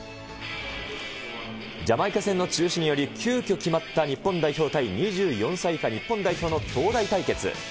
ジャマイカ戦の中止により、急きょ決まった日本代表対２４歳以下日本代表の兄弟対決。